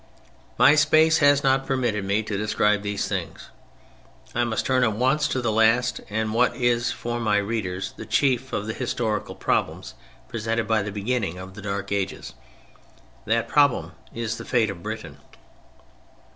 My space has not permitted me to describe these things, I must turn at once to the last, and what is for my readers the chief, of the historical problems presented by the beginning of the Dark Ages. That problem is the fate of Britain.